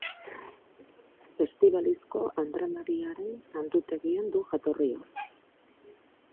Estibalizko Andre Mariaren santutegian du jatorria.